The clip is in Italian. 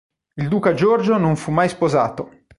Il duca Giorgio non fu mai sposato.